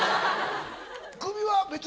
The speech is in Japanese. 首は別に？